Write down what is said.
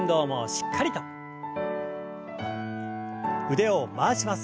腕を回します。